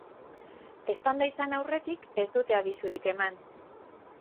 Eztanda izan aurretik ez dute abisurik eman.